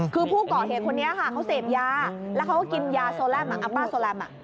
คือผู้ก่อเหตุคนนี้ค่ะเขาเสพยาแล้วเขาก็กินยาโซแลมอัมป้าโซแรม